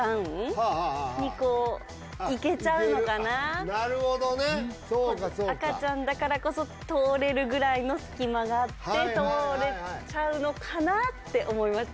こうなるほどねそうかそうか赤ちゃんだからこそ通れるぐらいの隙間があって通れちゃうのかなって思いました